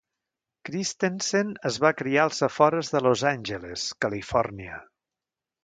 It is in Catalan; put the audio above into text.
Christensen es va criar als afores de Los Àngeles, Califòrnia.